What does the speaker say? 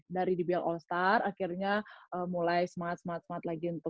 dari dbl all star akhirnya mulai semangat semangat lagi untuk